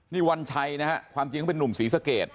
นี่วันชัยนะฮะความจริงเขาเป็นนุ่มศรีสะเกด